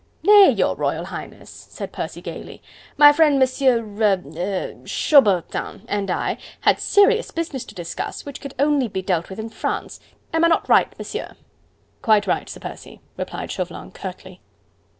"Nay, your Royal Highness," said Percy gaily, "my friend Monsieur... er... Chaubertin and I had serious business to discuss, which could only be dealt with in France.... Am I not right, Monsieur?" "Quite right, Sir Percy," replied Chauvelin curtly.